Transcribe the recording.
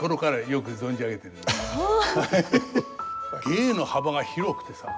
芸の幅が広くてさ。